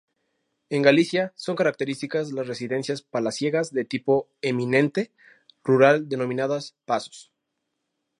En Galicia son características las residencias palaciegas de tipo eminentemente rural denominadas pazos.